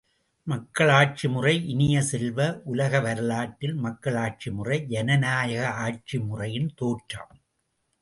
மக்களாட்சி முறை இனிய செல்வ, உலக வரலாற்றில் மக்களாட்சி முறை ஜனநாயக ஆட்சி முறையின் தோற்றம்.